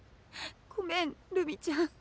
ごめんるみちゃん。